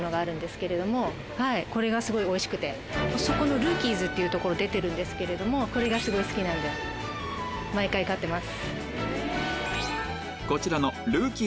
ルーキーズっていう所に出てるんですけれどもこれがすごい好きなんで毎回買ってます。